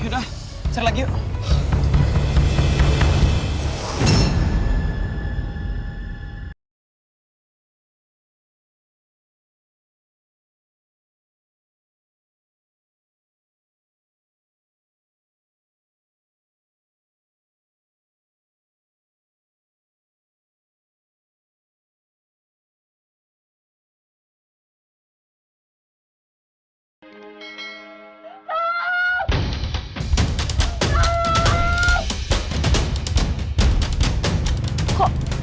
yaudah cari lagi yuk